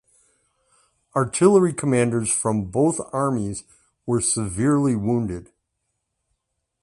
Artillery commanders from both armies were severely wounded.